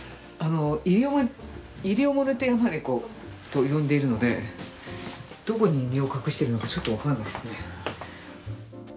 イリオモテヤマネコと呼んでいるのでどこに身を隠しているのかちょっと分からないですね。